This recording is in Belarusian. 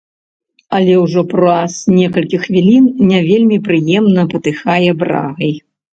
Але ўжо праз некалькі хвілін не вельмі прыемна патыхае брагай.